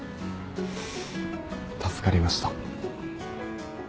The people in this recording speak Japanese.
助かりました。